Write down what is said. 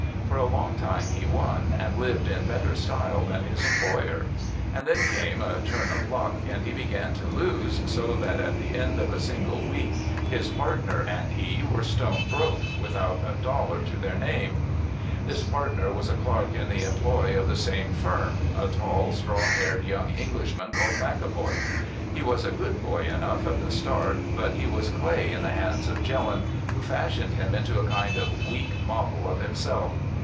For a long time he won, and lived in better style than his employer. And then came a turn of luck, and he began to lose so that at the end of a single week his partner and he were stone broke, without a dollar to their names. "This partner was a clerk in the employ of the same firm—a tall, straw haired young Englishman called McEvoy. He was a good boy enough at the start, but he was clay in the hands of Jelland, who fashioned him into a kind of weak model of himself.